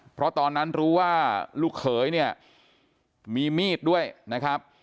เพราะตอนนั้นรู้ว่าลูกเขยเนี่ยมีมีดด้วยนะครับ